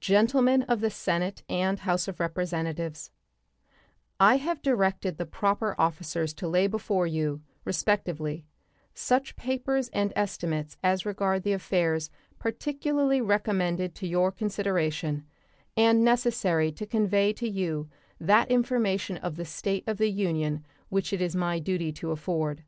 Gentlemen of the Senate and House of Representatives: I have directed the proper officers to lay before you, respectively, such papers and estimates as regard the affairs particularly recommended to your consideration, and necessary to convey to you that information of the state of the Union which it is my duty to afford.